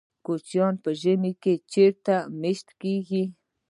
کوچیان په ژمي کې چیرته میشت کیږي؟